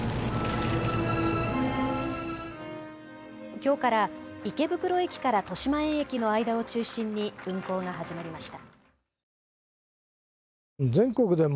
きょうから池袋駅から豊島園駅の間を中心に運行が始まりました。